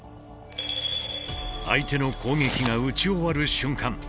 相手の攻撃が打ち終わる瞬間